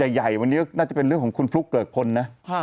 ใหญ่วันนี้น่าจะเป็นเรื่องของคุณฟลุ๊กเกิกพลนะ